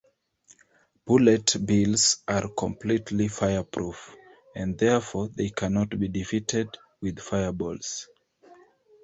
Bullet Bills are completely fireproof, and therefore, they cannot be defeated with fireballs.